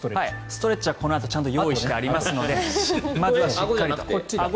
ストレッチはこのあと用意してありますのでまずはしっかりと。